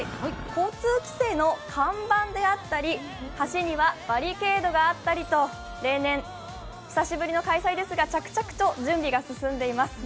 交通規制の看板であったり、橋にはバリケードがあったりと久しぶりの開催ですが着々と準備が進んでいます。